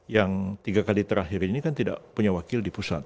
yang tiga kali terakhir ini kan tidak punya wakil di pusat